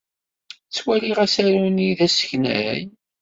Ttwaliɣ asaru-nni d asneknay.